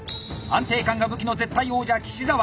安定感が武器の絶対王者岸澤。